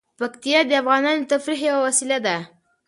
پکتیا د افغانانو د تفریح یوه وسیله ده.